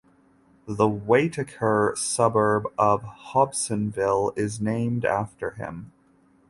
The Waitakere suburb of Hobsonville is named after him.